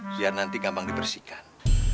biar nanti gampang dibesarkan